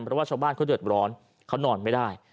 เพราะว่าชาวบ้านเขาเดือดร้อนเขานอนไม่ได้